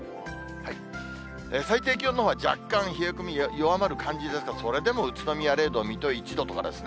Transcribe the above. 最低気温のほうは若干、冷え込み弱まる感じですが、それでも宇都宮０度、水戸１度とかですね。